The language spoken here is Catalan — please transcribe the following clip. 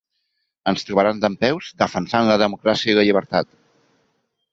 Ens trobaran dempeus defensant la democràcia i la llibertat.